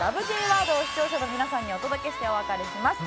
Ｊワードを視聴者の皆さんにお届けしてお別れします。